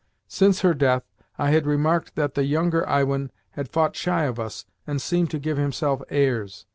Since her death, I had remarked that the younger Iwin had fought shy of us, and seemed to give himself airs.